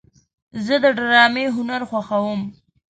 زه د ډرامې هنر خوښوم.